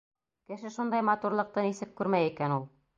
Кеше шундай матурлыҡты нисек күрмәй икән ул?!